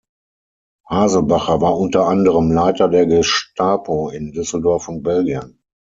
Haselbacher war unter anderem Leiter der Gestapo in Düsseldorf und Belgien.